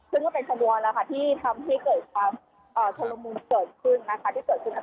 ซึ่งก็เป็นส่วนแล้วค่ะที่ทำให้เกิดความชะลมุมเกิดขึ้นนะคะ